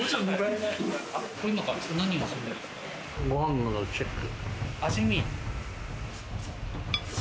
ご飯のチェック。